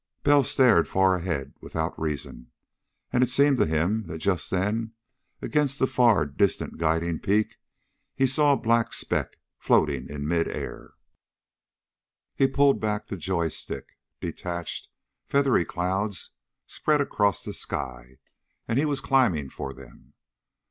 Bell stared far ahead, without reason. And it seemed to him that just then, against that far distant guiding peak, he saw a black speck floating in mid air. He pulled back the joy stick. Detached, feathery clouds spread across the sky, and he was climbing for them.